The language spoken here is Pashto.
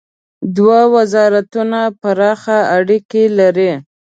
دوه وزارتونه پراخ اړیکي لري.